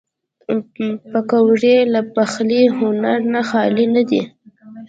پکورې له پخلي هنر نه خالي نه دي